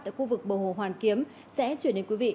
tại khu vực bờ hồ hoàn kiếm sẽ chuyển đến quý vị